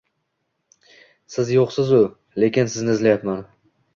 Siz yuqsiz-u lekin sizni izlayapman